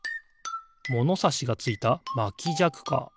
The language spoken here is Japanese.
ものさしがついたまきじゃくか。